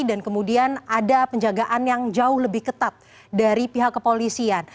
dan kemudian ada penjagaan yang jauh lebih ketat dari pihak kepolisian